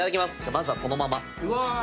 まずはそのまま。